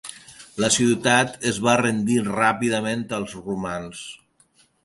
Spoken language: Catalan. La ciutat es va rendir ràpidament als romans.